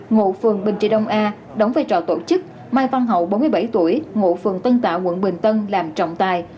ngụ phường bình trị đông a đóng vai trò tổ chức mai văn hậu bốn mươi bảy tuổi ngụ phường tân tạo quận bình tân làm trọng tài